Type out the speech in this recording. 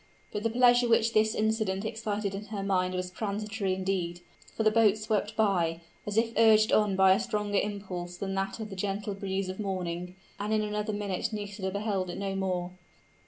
But the pleasure which this incident excited in her mind was transitory indeed; for the boat swept by, as if urged on by a stronger impulse than that of the gentle breeze of morning and in another minute Nisida beheld it no more.